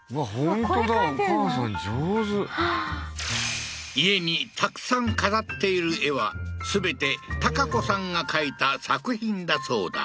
本当だお母さん上手家にたくさん飾っている絵は全て良子さんが描いた作品だそうだ